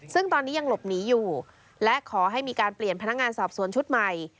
ซึ่งตอนนี้ยังหลบหนีอยู่และขอให้มีการเปลี่ยนพนักงานสอบสวนชุดใหม่